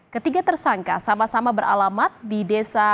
ketiga tersangka sama sama beralamat di desa